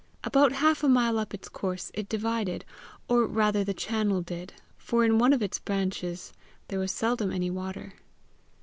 About half a mile up its course it divided, or rather the channel did, for in one of its branches there was seldom any water.